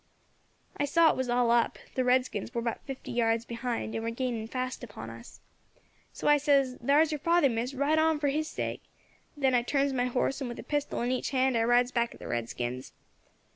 "I saw as it was all up; the redskins war but fifty yards behind, and were gainin' fast upon us. So I says, 'Thar's your father, Miss, ride on for his sake,' then I turns my horse, and, with a pistol in each hand, I rides back at the redskins.